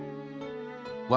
wafi'an fusikum afalatubsirun